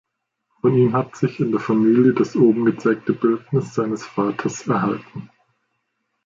Von ihm hat sich in der Familie das oben gezeigte Bildnis seines Vaters erhalten.